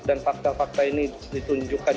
dan fakta fakta ini ditunjukkan